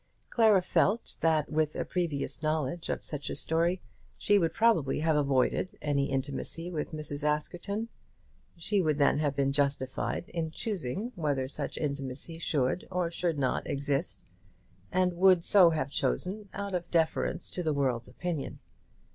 Clara felt that with a previous knowledge of such a story she would probably have avoided any intimacy with Mrs. Askerton. She would then have been justified in choosing whether such intimacy should or should not exist, and would so have chosen out of deference to the world's opinion.